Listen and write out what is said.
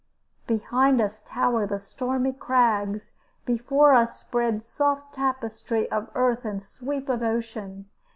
Behind us tower the stormy crags, before us spread soft tapestry of earth and sweep of ocean.